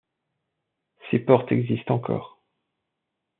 Ces portes existent encore...